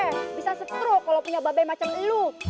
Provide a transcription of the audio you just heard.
bisa stroke kalau punya babai macam lo